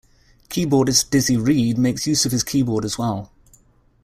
Keyboardist Dizzy Reed makes use of his keyboard as well.